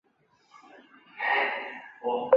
以色列则在伦敦设有大使馆及领事馆。